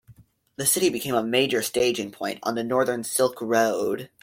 The city became a major staging point on the northern Silk Road.